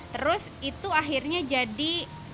terus itu akhirnya jadi